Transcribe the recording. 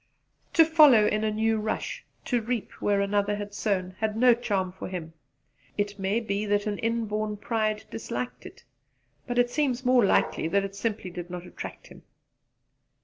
To follow in a new rush, to reap where another had sown, had no charm for him. It may be that an inborn pride disliked it; but it seems more likely that it simply did not attract him.